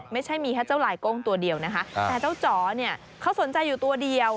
ไม่ใช่มีแค่เจ้าลายโก้งตัวเดียวนะคะแต่เจ้าจ๋อเนี่ยเขาสนใจอยู่ตัวเดียว